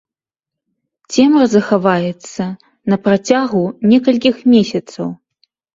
Цемра захаваецца на працягу некалькіх месяцаў.